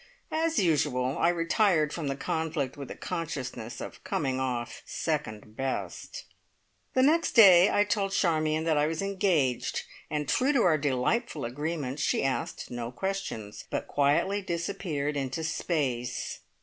As usual, I retired from the conflict with a consciousness of coming off second best! The next day I told Charmion that I was "engaged," and true to our delightful agreement, she asked no questions, but quietly disappeared into space.